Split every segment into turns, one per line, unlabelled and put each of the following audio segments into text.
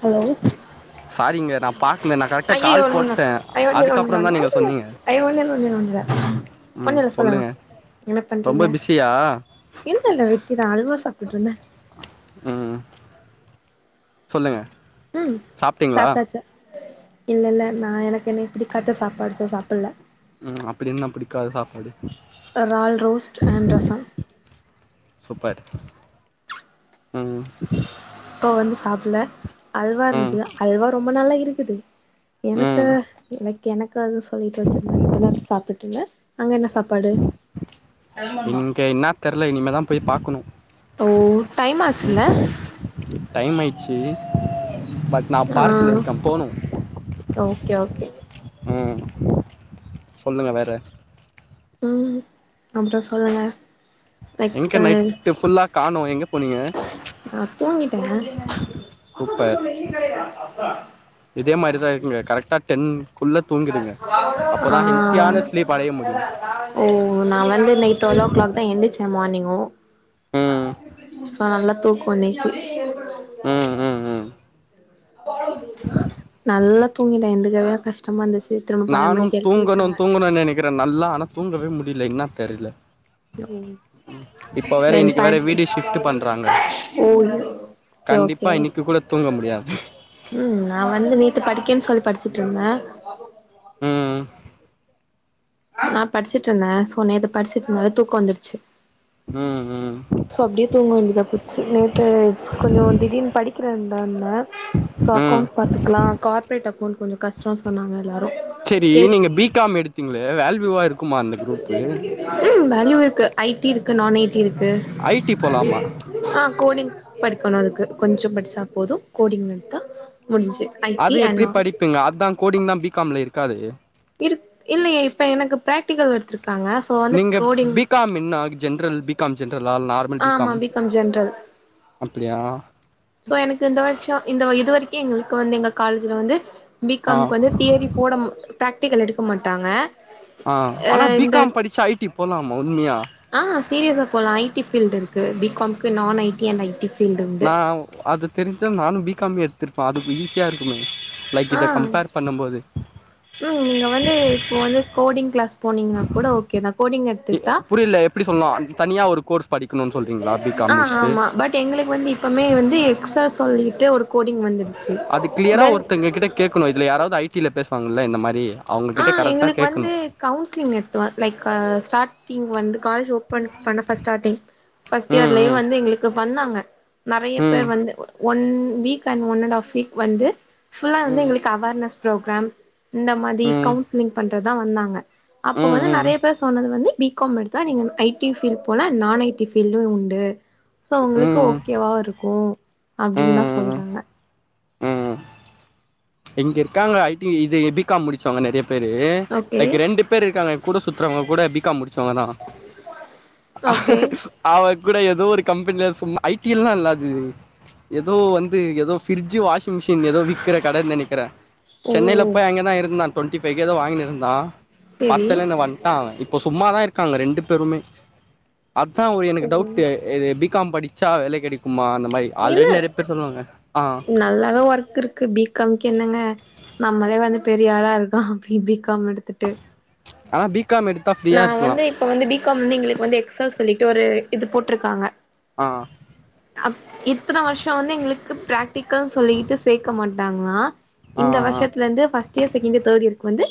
hello
சாரிங்க நா பாக்கல நா கரெக்டா
ஐயையோ
கால்
ஒன்னுல்ல
போட்டே
ஐயோ ஒன்னுல்ல ஒன்னுல்ல
அதுக்கப்பறந்தா
ஒன்னுல்ல
நீங்க
ஐயையோ
சொன்னீங்க
ஐயோ ஒன்னுல்ல ஒன்னுல்ல ஒன்னுல்ல
ம் சொல்லுங்க
என்ன பண்றீங்க இல்லல்ல வெட்டிதா அல்வா சாப்ட்டுட்ருந்தே
ம் சொல்லுங்க
ம் சாப்ட்டாச்சா இல்லல்ல நா எனக்கு என்க்கு பிடிக்காத சாப்பாடு சோ சாப்பல
ம் அப்படி என்ன பிடிக்காத சாப்பாடு
ரால் ரோஸ்ட்டு அண்டு ரச
சூப்பர் ம்
சோ வந்து சாப்பல அல்வா
ம்
இருந்து அல்வா ரொம்ப நல்லா இருக்குது எனக்கு
ம்
எனக் எனக்கு அது சொல்லிட்டு வச்சிருந்தா இப்பதா சாப்ட்டுட்ருந்தே அங்க என்ன சாப்பாடு
இங்க என்னா தெர்ல இனிமேதா போய் பாக்கணு
ஓ டைம் ஆச்சுல்ல
டைம் ஆயிச்சி பட் நா பார்க்கில
ஆ
இருக்கே போனு
ஓகே ஓகே
ம் சொல்லுங்க வேற
ம் அப்ற சொல்லுங்க லைக்
எங்க
அ
நைட்டு ஃபுல்லா காணோ எங்க போனீங்க
அ தூங்கிட்டேங்க
சூப்பர் இதே மாரிதா இருங்க டென் குள்ளத்
ஆ
ஸ்லீப் அடைய முடியும்
ஓ நா வந்து இன்னைகு ட்வள் ஓ கிளாக் தா எந்திச்ச மார்னிங்கு
ம்
நல்லா தூக்க இன்னைக்கு [unintelligible]
ம் ம் ம்
நல்லா தூங்கிட்டே எந்துக்கவே கஷ்டமா இருந்துச்சு திரும்ப பன்னெண்டு மணிக்கு எழுப்பி விட்டாங்க
இருக்கிறே நல்லா ஆனா தூங்கவே முடியல என்னா தெர்ல
யம்
இன்னைக்கு வேற
வெண்தட்
வீடு ஷிஃப்ட் பண்றாங்க
ஓ ஓகே
கண்டிப்பா
ஓகே
இன்னைக்கு கூட தூங்க முடியாது
ம் நா வந்து நீட்டு படிக்கேன்னு சொல்லி படிச்சிட்டு இருந்தே
ம் ம்
நா படிச்சிட்டு இருந்தே சோ நேத்து படிச்சிட்டு இருந்த போது தூக்கோ வந்துடுச்சு
ம் ம்
சோ அப்டியே தூங்க வேண்டியதா போச்சி நேத்து கொஞ்சோ திடீர்னு படிக்கிறேன்தா இருந்தே சோ
ம்
அக்கௌண்ட்ஸ் பாத்துக்கலா கார்பரேட் அக்கௌண்ட் கொஞ்சோ கஷ்டோன்னு சொன்னாங்க எல்லாரு
செரி
கேட்
நீங்க பி காம் எடுத்தீங்களே வேல்யூவா இருக்குமா அந்த குரூப்பு
ம் வேல்யூ இருக்கு ஐ டி இருக்கு நான் ஐ டி இருக்கு
ஐ டி போலாமா
ஆ கோடிங் படிக்கணு அதுக்கு கொஞ்சோ படிச்சா போது கோடிங் எடுத்தா முடிஞ்ச்சி
அது எப்டி படிப்பிங்க அதா கோடிங் தா பி காம்ல இருக்காதே
இருக் இல்லயே இப்ப எனக்கு பிராக்டிகல் எடுத்துருக்காங்க
நீங்க பி காம் என்ன ஜென்ரல் பி காம் ஜென்ரலா நார் மல் பி காம் அப்டியா
சோ எனக்கு இந்த வருஷோ இந்த இது வரைக்கு எங்களுக்கு வந்து எங்க காலேஜ்ல வந்து பி
ஆ
காம்க்கு வந்து தியரி போட மா பிராக்டிக்கல் எடுக்க மாட்டாங்க
ஆ
அ
ஆனா பி
இந்த
காம் படிச்சா ஐ டி போலாமா உண்மையா
ஆ சீரியஸா போலா ஐடி ஃபீல்டு இருக்கு பி காமுக்கு நான் ஐடி அண்ட் ஐடி
நா அது தெரிஞ்சா நானு பி காமே எடுத்திருப்பே அது ஈஸியா இருக்குமே லைக்
ஆ
இத கம்பேர் பண்ணம் போது
ம் நீங்க வந்து இப்ப வந்து கோடிங் கிளாஸ் போனீங்கன்னா கூட ஓகே தா கோடிங் எடுத்துக்கிட்டா
புரியல எப்டி சொல்லா தனியா ஒரு கோர்ஸ் படிக்கணுனு சொல்றீங்களா பி காம்
ஆ
முடிச்சுட்டு
ஆமா பட் எங்களுக்கு வந்து இப்பமே வந்து எக்சஸ் சொல்லிட்டு ஒரு கோடிங் வந்து
அது கிளியரா ஒருத்தங்க கிட்ட கேட்கணு இதுல யாராவது ஐ டில பேசுவாங்கல்ல இந்த மாரி
ஆ
அவங்ககிட்ட கரெக்டா
எங்களுக்கு
கேட்கணு
வந்து கவுன்சிலிங் நடத்துவே லைக் ஸ்டார்ட்டிங் வந்து காலேஜ் ஓ பன் பண்ண ஃபர்ஸ்ட் ஸ்டார்ட்டிங் ஃபர்ஸ்ட்
ம்
இயர்லயு
ம்
வந்து எங்களுக்கு வந்தாங்க நெறைய பேர்
ம்
வந்து one week and one and half week வந்து ஃபுல்லா வந்து
ம்
எங்களுக்கு அவார்னஸ் ப்ரோக்ராம் இந்த மாதி கவுன்சிலிங் பண்றதுதா வந்தாங்க
ம்
அப்ப வந்து
ம்
நெறைய பேர் சொன்னது வந்து பி காம் எடுத்தா நீங்க ஐ டி பீல்ட் போலா நான் ஐ டி பீல்டு உண்டு சோ உங்களுக்கு
ம்
ஓக் கேவா இருக்கு அப்டின்தா
ம் ம்
சொல்றாங்க
ம் இங்க இருக்காங்க ஐ டி இது பி காம் முடிச்சவங்க நெறைய பேரு
ஓகே
லைக் ரெண்டு பேர் இருக்காங்க ஏ கூட சுத்துறவங்க கூட பி காம் முடிச்சவங்கதா
ஓகே
அவ கூட ஏதோ ஒரு கம்பெனில சும் ஐ டில்லா இல்ல அது ஏதோ வந்து ஏதோ ஃப்ரிட்ஜ் வாஷிங் மிஷின் ஏதோ விக்கற கட நெனைக்கிறே
ஓ
சென்னைல போய் அங்கதா இருந்தான் டுவென்டி ஃபைவ் கே ஏதோ வாங்கின்னு இருந்தா
செரி
பத்தலன்னு வன் ட்டா அவே இப்ப சும்மாதா இருக்காங்க ரெண்டு பேருமே அதா ஒ எனக்கு
ஓ
டவுட் இது பி காம் படிச்சா வேல கெடைக்குமா அந்த மாரி ஆல்ரெடி நெறைய பேர் சொல்வாங்க ஆ
எவ்ளோ ஒர்க் இருக்கு பி காம்க்கு என்னங்க நம்மளே வந்து பெரிய ஆளா இருக்கோ பி பி காம் எடுத்துட்டு
ஆனா பி காமு எடுத்
நான் வந்து இப்ப வந்து பி காம் மு இந்து எங்களுக்கு வந்து எக்ஸால்ஸ் சொல்லிட்டு ஒரு இது போட்டுருக்காங்க
ஆ
அப் இத்தன வருஷோ வந்து எங்களுக்கு பிராக்டிக்கா சொல்லிட்டு சேக்க மாட் டாங்களா
ஆ
இந்த
ஆ
வர்ஷத்துல இருந்து first year second year third இயர்க்கு வந்து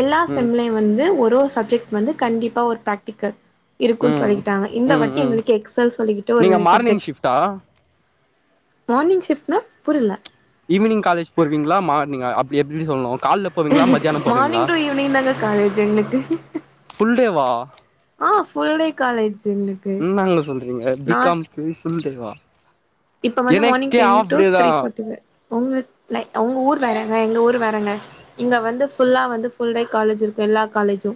எல்லா
ம்
செம்ளயு வந்து ஒரு ஒரு சப்ஜெட் வந்து கண்டிப்பா ஒரு பிராக்டிக்கல் இருக்குன்
ம்
சொல்லிக்கிட்டாங்க இந்த
ம்
வட்டி
ம்
எங்களுக்கு எக் சல் சொல்லிக்கிட்டோ ஒரு
நீங்க மார்னிங்
சப்ஜெட்
ஷிஃப்ட்டா
மார்னிங் ஷிஃப்ட்னா புரில்ல
ஈவினிங் காலேஜ் போவீங்களா மார்னிஙா அப்டி எப்டி சொல்லுனு கால்ல போவீங்களா மத்தியானம் போவீங்களா
மார்னிங் டு ஈவினிங் தாங்க காலேஜ் எங்ளுக்கு
ஃபுல் டேவா
ஆஹ் ஃபுல் டே காலேஜ் எங்
ன்னாங்க சொல்றிங்க பி காமு க்கு ஃபுல் டே வா
இப்ப வந்து மார்னிங்
எனக்கே
டென்
ஆஃப்
டு த்ரீ ஃபார்ட்டிக்கு உங்க லைக் உங்க ஊர் வேறேங்க எங்க ஊர் வேறேங்க இங்க வந்து ஃபுல்லா வந்து ஃபுல் டே காலேஜ் இருக்கு எல்லா காலேஜு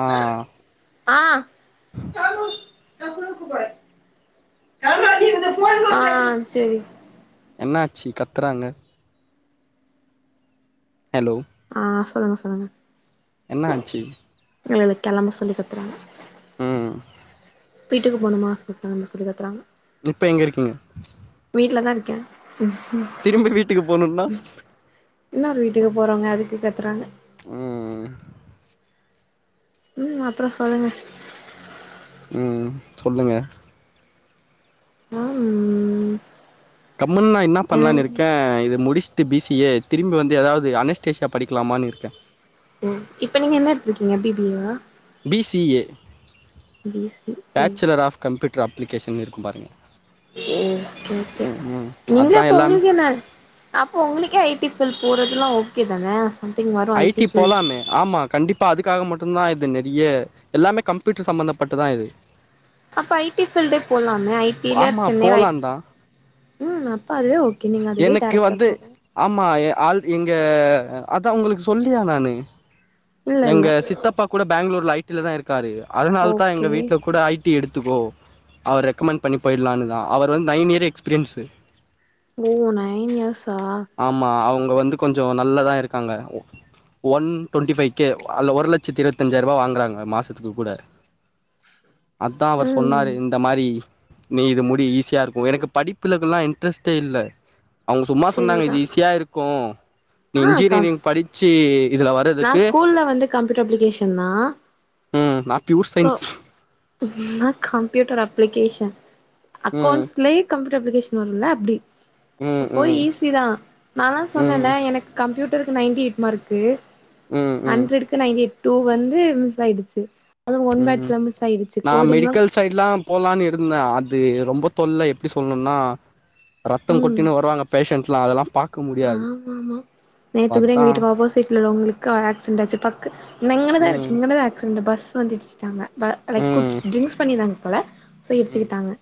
ஆ
ஆ ஆ செரி
என்ன ஆச்சி கத்துறாங்க ஹலோ
ஆ சொல்லுங்க சொல்லுங்க
என்ன ஆச்சி
இல்ல இல்ல கெளம்ப சொல்லி கத்துறாங்க
உம்
வீட்டுக்கு போணுமா சுத்தாம சொல்லி கத்துறாங்க
இப்ப எங்க இருக்கீங்க
வீட்டுல தா இருக்கே
திரும்பி வீட்டுக்கு போணுன்னா
இன்னொரு வீட்டுக்கு போறோங்க அதுக்கு கத்துறாங்க
உம் உம்
உம் அப்றோ சொல்லுங்க
உம் ம் சொல்லுங்க
உம் உம்
கம்முன்னா என்ன பண்ணலான்னு இருக்கே இது முடுஸ்சுட்டு பி சி ஏ திரும்பி வந்து ஏதாது அனெஸ்டேஷியா படிக்கலாமான்னு இருக்கே
ஓ இப்ப நீங்க என்ன எடுத்து இருக்கீங்க பி பி ஏ வா
B C A
B C A
bachelor of computer அப்ளிகேஷன்னு இருக்கு பாருங்கள்
ஓகே ஒகே நீங்களே
அதா
போ
எல்லாமே
உனக்கி என்னா அப்போ உங்களிக்கே ஐ டி ஃபில்ட் போறதுதெல்லா ஓகே தானே சம்திங் வரு
ஐ டி
ஃபீல்ட்
போலாமே ஆமா கண்டிப்பா அதுக்காக மட்டுதா இது நெற்யே எல்லாமே கம்ப்யூட்டர் சம்பமந்த பட்டுதா இது
அப்ப ஐ டி ஃபீல்டே போகலாமே ஐ இல்ல
ஆமா
சென்னைல ஐ
போலாந்தா
உம் அப்ப அதுவே ஓகேங்க நீங்க அதுவே
எனக்கு
டேரெக்ட்டா
வந்து
போக
ஆமா எ ஆள் எங்க அதா உங்குளுக்கு சொல்லியா நானு
இல்ல இல்ல
எங்க சித்தப்பா கூட பேங்ளூர்ல ஐ டில தா இருக்காரு அதனாலதா எங்க
ஓகே
வீட்ல கூட ஐ டி எடுத்துக்கோ அவர் ரெக்கமெண்ட் பண்ணி போயிட்லானுதா அவர் வந்து நைன் இயர் எக்ஸ்பீரியன்ஸு
ஓ நைன் இயர்ஸா
ஆமா அவுங்க வந்து கொஞ்சோ நல்லதா இருக்காங்க ஒன் டொண்ட்டி ஃபைவ் கே அதுல ஒரு லட்சத்தி இருவத்தஞ்சாய்ரூபா வாங்குறாங்க மாசத்துக்கு கூட அதா அவர்
ம்
சொன்னாரு இந்த மாரி நீ இது முடி ஈஸியா இருக்கு எனக்கு படிப்புலக்கல்லா இன்ட்ரெஸ்ட்டே இல்ல அவுங்க சும்மா சொன்னாங்க இது
சேரிதா
ஈஸியா இருக்கு நீ
ஆ கம்
இன்ஜினியரிங் படிச்சி
நா ஸ்கூல்ல வந்து கம்ப்யூட்டர் அப்ளிகேஷன்தா
ம் நா பியூர் சைன்ஸ்
நாலா கம்ப்யூட்டர் அப்ளிகேஷன்
ம்
அக்கௌண்ட்ஸ்லயே கம் அப்ளிகேஷன் வரும்ல அப்டி
ம்
போய்
ம்
ஈஸிதா நாதா
ம்
சொன்னல எனக்கு கம்ப்யூட் டருக்கு நைன்டி எயிட் மார்க்கு
ம் ம்
ஹண்ட்ரடுக்கு நைன்டி எய்ட் டூ வந்து மிஸ் ஆய்டுச்சு அதுவு ஒன்
ம்
வொட்ஸ்ல மிஸ் ஆய்டுச்சு
நா
கோடிங்லா
மெடிக்கல் சைட்லா போலான் இருந்தே அது ரொம்ப தொல்ல எப்டி சொல்ணுனா ரத்தோ கொட்டினு வருவாங்க பேஷண்ட்லா அதல்லா பாக்
ஆமா ஆமா நேத்துக்குட எங்க
அதா
வீட்டுக்கு ஆப்போசிட்ல உள்ளோங்ளுக்கு ஆக்சிடெட் ஆச்சு பக்கு தா
ம்
இங்கனதாருக்கு இங்கனதா ஆக்சிடெட்டு பஸ் வந்து இடிச் டாங்க ப லைக்
ம்
குடிச் ட்ரிங்க்ஸ் பண்ணிருந்தாங்க போல சோ
ம்
இடிச்சுக்குட்டாங்க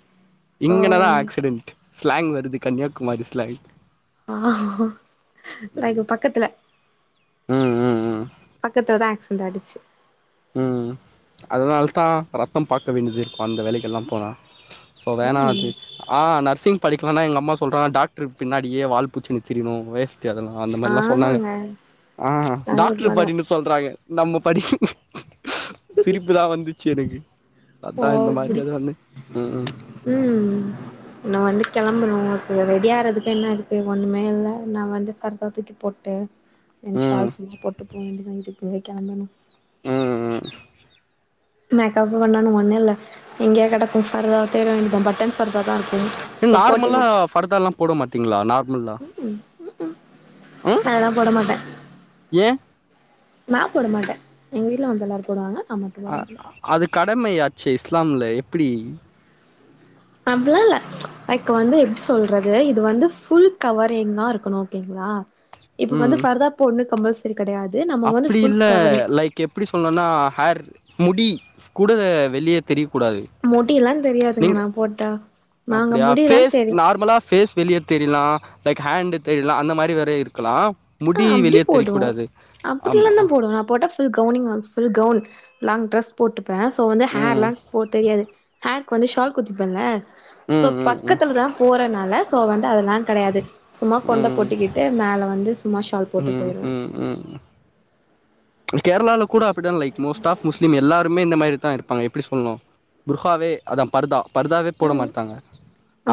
சோ
இங்கனதா ஆக்சிடென்ட் ஸ்லாங் வருது கன்னியாகுமாரி ஸ்லாங்
ஆ
ம்
லைக் பக்கத்துல
ம் ம் ம்
பக்கத்துலதா ஆக்சிடெண்ட் ஆய்டுச்சு
ம் அதனாலதா ரத்தோ பாக்க வேண்டியது இருக்கு அந்த வேலைக்கல்லா போனா சோ வேணா அது
ம்
ஆ நர்சிங் படிக்கலானா எங்க அம்மா சொல்றாங்க டாக்ட்ருக்கு பின்னாடியே வால் புச்சனு திரிணு வேஸ்ட் எல்லா அந்த மாரில்லா சொன்னாங்க
ஆமாங்க
ஆ
அது
டாக்ருக்
உண்மதா
படின்னு சொல்றாங்க நம்ம படி சிரிப்புதா வந்துச்சு எனக்கு
போ
அதா இந்த மாரி
அப்புடி
அது வந்து ம் ம்
ம் நா வந்து கெளம்பணு அப்றோ ரெடி ஆறதுக்கு என்ன இருக்கு ஒன்னுமே இல்ல நா வந்து ஃபர்தா தூக்கி போட்டு எ
ம்
ஷால் சும்மா போட்டு போ வேண்டிதா இதுக்மேலதா கெளம்பணு
ம் ம்
மேக்கப் பண்ணுன் ஒன்னு இல்ல எங்கயா கடக்கு ஃபர்தாவ தேட வேண்டிதா பட்டன் ஃபர்தாதா இருக்கு
ம்
சோ போட்டுக்க
நார்மலா ஃபர்தாலா போட மாட்டிங்ளா நார்மலா
அதலா போட மாட்டே
ஏ
நா போட மாட்டே எங்க வீட்ல வந்து எல்லாரு போடுவாங்க நா மட்டு போட மாட்டே
அது கடமையாச்சே இஸ்லாம்ல எப்புடி
அப்டிலா இல்ல லைக் வந்து எப்டி சொல்றது இது வந்து ஃபுல் கவரிங்கா இருக்கணு ஓகேங்ளா இப்ப
ம்
வந்து பர்தா போட்து கம்பல் கடையாது நம்ம வந்து ஃபுல் கவரிங்
எப்டி சொல்னுனா ஹேர் முடி கூட வெளிய தெரியக்கூடாது
முடியெல்லா தெரியாதுங்க
நீங்க
நா போட்டா நாங்க
அப்டியா
முடியெல்லா
பேஸ்
தெரியு
நார்மலா பேஸ் வெளிய தெரியலா லைக் ஹேண்டு தெரியலா அந்த மாரி வேற இருக்கலா முடி வெளிய தெரியக்கூடாது ஆமா
அப்டிலாதா போடுவ நா போட்டா ஃபுல் கவுனிங் ஃபுல் கவுன் லாங் ட்ரெஸ் போட்டுப்பேன் சோ வந்து
ம்
ஹேர்லாம் போ தெரியாது ஹேர்க்கு வந்து ஷால் குத்திப்பேன்ல சோ
ம் ம் ம்
பக்கத்துல தான் போறனால ஸோ வந்து அதெல்லாம் கிடையாது சும்மா கொண்ட
ம்
போட்டுக்கிட்டு மேல வந்து சும்மா ஷால் போட்டு
ம்
போயிடுவே
ம் ம் கேரளால கூட அப்டித்தா லைக் மோஸ்ட் ஆஃப் முஸ்லீம் எல்லாருமே இந்த மாரிதா இருப்பாங்க எப்டி சொல்ணும் புருஹாவே அதான் பருதா பருதாவே போட
ம்
மாட்டாங்க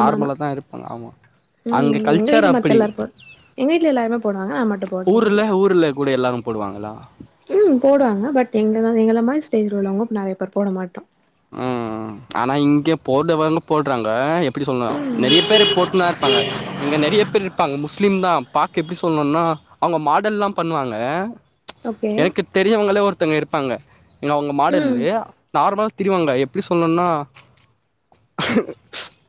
ஆமா ஆமா
தா இருப்பாங்க ஆமா அங்க
ம் எங்க
கல்ச்சர்
வீட்ல மத்த
அப்டி
எல்லாரு போ எங்க வீட்ல எல்லாருமே போடுவாங்க நா மட்டு போடுறது
ஊர்ல
இல்ல
ஊர்ல கூட எல்லா போடுவாங்களா
ம் போடுவாங்க பட் எங்கள எங்கள மாரி ஸ்டேஜ்ல்ல உள்ளவங்க நெறைய பேர் போட மாட்டோம்
ம் ஆனா இங்க போடவங்க போடுறாங்க எப்டி சொல்னு நெறைய
ம்
பேரு போட்டுனா இருப்பாங்க இங்க நெறைய பேர் இருப்பாங்க முஸ்லீம் தான் பாக்க எப்டி சொல்ணும்னா அவுங்க மாடல் எல்லா பண்ணுவாங்க
ஓகே
எனக்கு தெரியவங்களே ஒருத்தங்க இருப்பாங்க எங்க அவுங்க
ம்
மாடல்லு நார்மல் திரிவாங்க எப்டி சொல்ணும்னா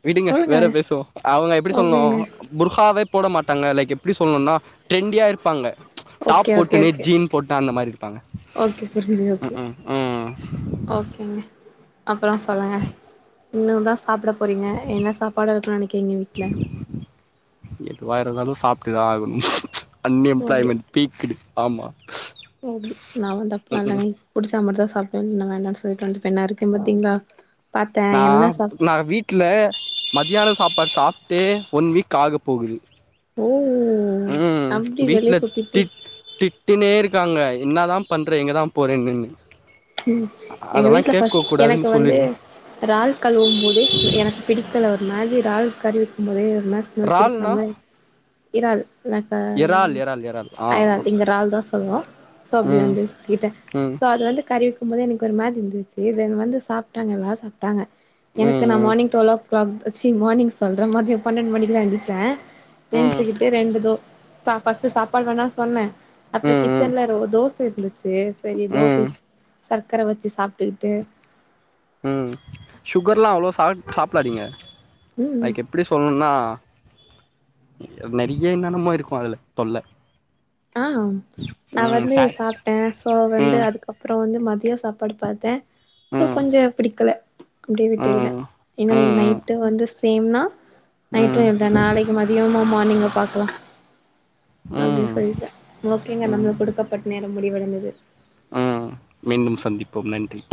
விடுங்க
சொல்லுங்க
வேற பேசும் அவுங்க எப்டி
ஓகேங்க
சொல்னும் புர்ஹாவே போட மாட்டாங்க லைக் எப்டி சொல்லணும்னா ட்ரெண்டியா இருப்பாங்க டாப்
ஓகே ஓகே
போட்டுனே
ஓகே
ஜீன் போட்டு அந்த மாரி இருப்பாங்க
ஓகே புரிஞ்சுது ஓகே
உம் உம் ம்
ஓகேங்க அப்புறொ சொல்லுங்க இன்னும்தான் சாப்ட போறீங்க என்ன சாப்பாடா இருக்கு நெனைக்கிறீங்க வீட்ல
எதுவா இருந்தாலும் சாப்ட்டுதான் ஆகணும்
ஓ அப்டி
அன்எம்ப்ளாய்மெண்ட் பீக்டு ஆமா
ஓ அப்டி நா வந்து அப்டிலா
ம்ஹூம்
இல்லங்க புடிச்சா மட்டும்தா சாப்டுவேன் இல்லன்ன வேண்டாம்னு சொல்லிட்டு வந்துப்பே நா இருக்கே பாத்தீங்ளா பாத்தே
நா
என்ன சாப்
நா வீட்ல மத்தியானொ சாப்பாடு சாப்டே ஒன் வீக் ஆக போகுது
ஓ அப்டி வெளிய சுத்திட்டு
திட்டினே இருக்காங்க என்ன தா பண்றே எங்கதான் போறேன்னு
ம் எங்க வீட்ல ஃபஸ்
கூடாதுன்னு
எனக்கு வந்து
சொல்லிடுவே
றால் கழுவும் போதே எனக்கு பிடிக்க்ல ஒரு மாரி றால் கறி வைக்கும்போதே ஒரு மாரி ஸ் மெல்
இறால்னா
பிடிக்காம இறால் லைக்கு
எறால் எறால் எறால் ஆ
அதா இங்க றால் தா சொல்லுவோம் சோ அப்டி
ம்
வந்து சொல்லிட்டேன்
ம்
சோ அது வந்து கறி வைக்கும் போது எனக்கு ஒரு மாரி இருந்துச்சு தென் வந்து சாப்ட்டாங்க எல்லார் சாப்ட்டாங்க எனக்கு
ம்
நா
ம்
மார்னிங் டுவெல்வ் ஓ கிளாக் வச்சு மார்னிங் சொல்றேன் மதியொ பன்னெண்டு மணிக்குதா எந்திச்சே
ம்
ஏஞ்சுக்கிட்டு ரெண்டுதோ சா ஃபஸ் சாப்பாடு வேணானு சொன்னேன் அப்புறொ
ம் ம்
கிச்சன்ல ரொ தோச இருந்துச்சு சரி தோசை
ம்
சர்க்கர வச்சு சாப்ட்டுக்கிட்டு
ம் சுகர்லா அவ்ளோ சாப் சாப்டாதீங்க அது
ம்
கெம் எப்டி சொல்ணும்ன்னா நெறைய என்னென்னமோ இருக்கும் அதுல தொல்ல
ஆம் நா
ம்
வந்து
சார்
சாப்ட்டேன் சோ வந்து
ம்
அதுக்கப்புறொ வந்து மதியொ சாப்பாடு பாத்தே சோ
ம்
கொஞ்சோ பிடிக்கல அப்டியே விட்டுக்கிட்டே
ம் ம்
ஏன்னா இ
ம்
நைட்டு வந்து சேம்னா நைட்டும்
ம்
இருந்தேன் நாளைக்கு மதியமா மார்னிங்கா பாக்லா அப்டி சொ
ம்
சரிங்க ஓகேங்க
ம்
நம்மளுக்கு கொடுக்கப்பட்ட நேரம் முடிவடைந்தது
ம் மீண்டும் சந்தீப்போம் நன்றி